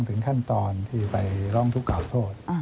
ถึงขั้นตอนที่ไปร้องทุกข่าโทษ